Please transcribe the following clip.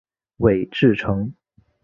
韦志成。